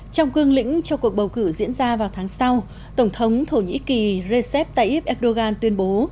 trong cương lĩnh cho cuộc bầu cử diễn ra vào tháng sau tổng thống thổ nhĩ kỳ recep tayyip erdogan tuyên bố